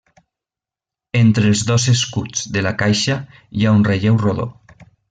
Entre els dos escuts de la caixa hi ha un relleu rodó.